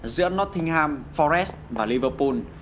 giữa nottingham forest và liverpool